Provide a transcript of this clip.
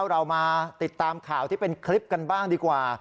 เรามาติดตามข่าวที่เป็นคลิปกันบ้างดีกว่า